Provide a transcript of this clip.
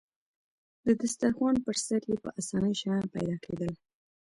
د دسترخوان پر سر يې په اسانۍ شیان پیدا کېدل.